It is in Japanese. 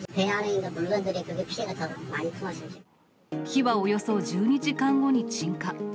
火はおよそ１２時間後に鎮火。